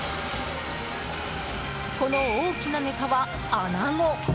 この大きなネタはアナゴ！